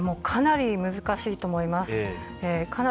かなり難しいと思います。